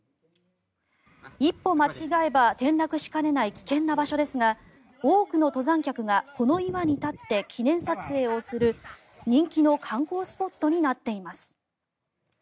一歩間違えば転落しかねない危険な場所ですが多くの登山客がこの岩に立って記念撮影をする人気の観光スポットになっています。